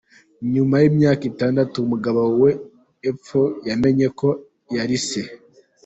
Nyuma y’imyaka Itandatu umugabo we apfuye yamenye ko yari se